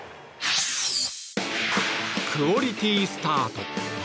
クオリティ・スタート。